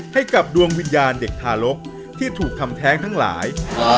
ให้กับดวงวิญญาณเด็กทารกที่ถูกทำแท้งทั้งหลาย